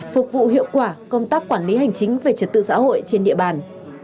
phục vụ hiệu quả công tác quản lý hành chính về trật tự xã hội trên địa bàn